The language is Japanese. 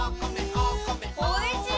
おいしい。